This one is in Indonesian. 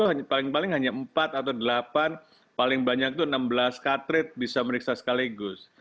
paling paling hanya empat atau delapan paling banyak itu enam belas katrit bisa meriksa sekaligus